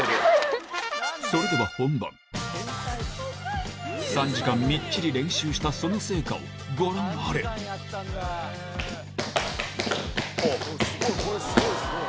それでは３時間みっちり練習したその成果をご覧あれスゴい！